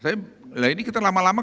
tapi ini kita lama lama